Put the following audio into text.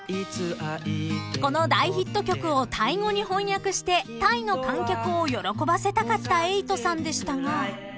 ［この大ヒット曲をタイ語に翻訳してタイの観客を喜ばせたかった瑛人さんでしたが］